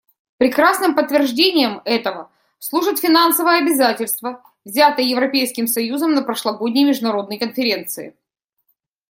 Прекрасным подтверждением этого служит финансовое обязательство, взятое Европейским союзом на прошлогодней международной конференции.